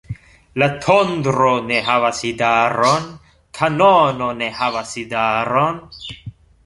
La tondro ne havas idaron; kanono ne havas idaron.